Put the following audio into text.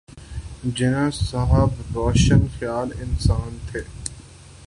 جناح صاحب روشن خیال انسان تھے۔